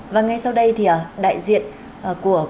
và ngay sau đây thì đại diện của cục cảnh sát